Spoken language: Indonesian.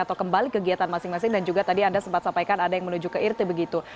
atau kembali kegiatan masing masing dan juga tadi anda sempat sampaikan ada yang menuju ke irti begitu